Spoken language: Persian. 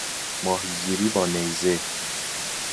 ماهیگیری با نیزه